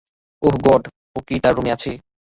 ওহ god, ও কি তার রুমে আছে?